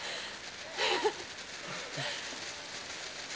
ハハハ！